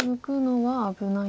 はい。